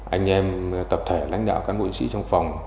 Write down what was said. anh em tập thể lãnh đạo cán bộ chiến sĩ trong phòng